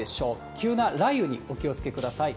急な雷雨にお気をつけください。